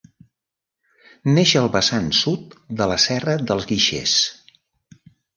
Neix al vessant sud de la Serra de Guixers.